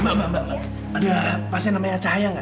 mak mak mak ada pasien namanya cahaya gak